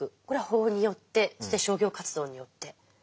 これは法によってそして商業活動によって。